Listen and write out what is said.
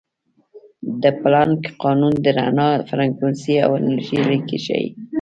د پلانک قانون د رڼا فریکونسي او انرژي اړیکې ښيي.